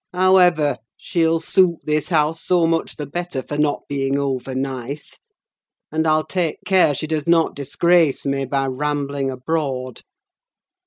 However, she'll suit this house so much the better for not being over nice, and I'll take care she does not disgrace me by rambling abroad."